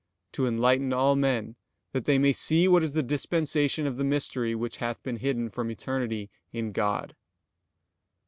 . to enlighten all men, that they may see what is the dispensation of the mystery which hath been hidden from eternity in God."